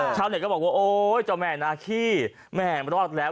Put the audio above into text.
เน็ตก็บอกว่าโอ๊ยเจ้าแม่นาขี้แม่รอดแล้ว